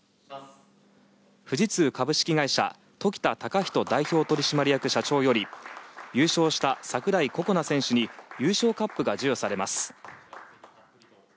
富士通株式会社時田隆仁代表取締役社長より優勝した櫻井心那選手に優勝カップが授与されます。